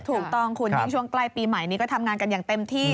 ถูกต้องคุณยิ่งช่วงใกล้ปีใหม่นี้ก็ทำงานกันอย่างเต็มที่